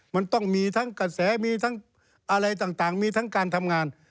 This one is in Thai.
มันต้องมีทั้งกระแสมีทั้งอะไรต่างมีทั้งการทำงาน